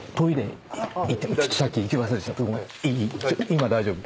今大丈夫？